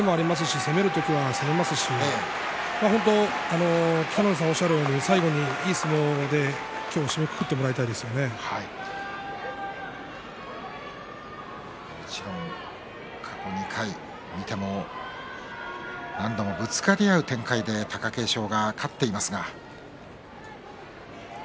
攻める時は攻めますし北の富士さんおっしゃるとおり最後にいい相撲で過去２回を見ても何度もぶつかり合う展開で貴景勝が勝っています。